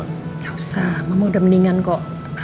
gak usah mama udah mendingan kok